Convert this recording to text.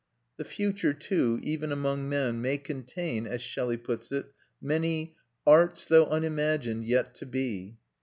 The future, too, even among men, may contain, as Shelley puts it, many "arts, though unimagined, yet to be."